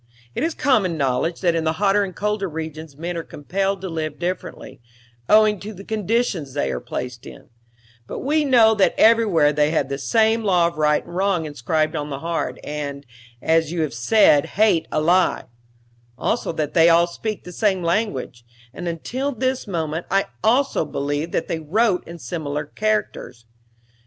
It is common knowledge that in the hotter and colder regions men are compelled to live differently, owing to the conditions they are placed in; but we know that everywhere they have the same law of right and wrong inscribed on the heart, and, as you have said, hate a lie; also that they all speak the same language; and until this moment I also believed that they wrote in similar characters.